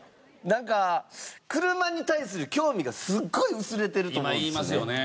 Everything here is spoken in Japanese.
なんか車に対する興味がすごい薄れてると思うんですよね。